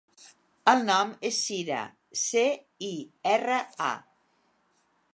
El nom és Cira: ce, i, erra, a.